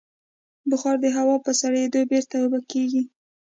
بخار د هوا په سړېدو بېرته اوبه کېږي.